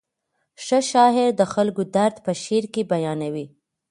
ښه شاعر د خلکو درد په شعر کې بیانوي.